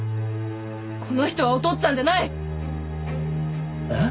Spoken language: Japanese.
この人はお父っつぁんじゃない！え？